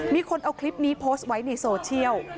มีคนเอาคลิปนี้โพสต์ไว้ในโซเชียล